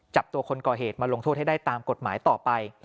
จับตัวคนก่อเหตุมาลงโทษให้ได้ตามกฎหมายต่อไป